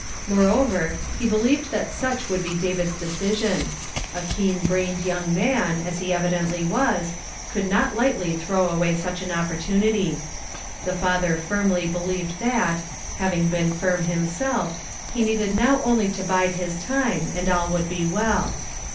Moreover, he believed that such would be David's decision ; a keen brained young man, as he evidently was, could not lightly throw away such an opportunity. The father firmly believed that, having been firm himself, he needed now only to bide his time, and all would be well.